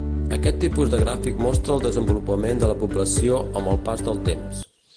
Aquest tipus de gràfic mostra el desenvolupament de la població amb el pas del temps.